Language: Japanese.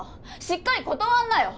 しっかり断んなよ